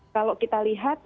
kalau kita lihat